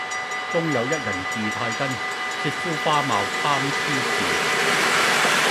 中有一人字太真，雪膚花貌參差是。